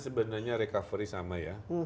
sebenarnya recovery sama ya